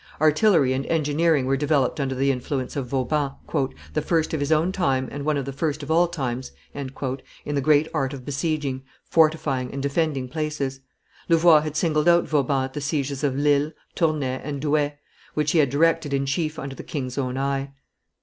Artillery and engineering were developed under the influence of Vauban, "the first of his own time and one of the first of all times" in the great art of besieging, fortifying, and defending places. Louvois had singled out Vauban at the sieges of Lille, Tournay, and Douai, which he had directed in chief under the king's own eye.